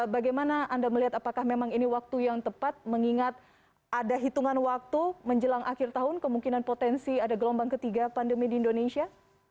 bagaimana anda melihat apakah memang ini waktu yang tepat mengingat ada hitungan waktu menjelang akhir tahun kemungkinan potensi ada gelombang ketiga pandemi di indonesia